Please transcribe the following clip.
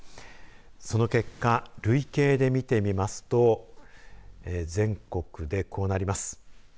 その結果、累計で見てみますと全国で、こうなります。